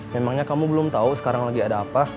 memangnya kamu belum tahu sekarang lagi ada apa